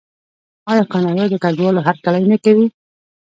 آیا کاناډا د کډوالو هرکلی نه کوي؟